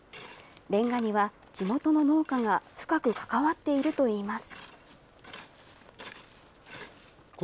れんがには地元の農家が深く関わっているといいます。